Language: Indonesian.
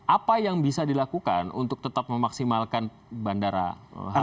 apa yang bisa dilakukan untuk tetap memaksimalkan bandara halim